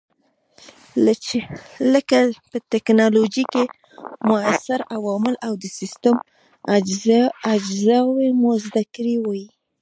لکه په ټېکنالوجۍ کې موثر عوامل او د سیسټم اجزاوې مو زده کړې وې.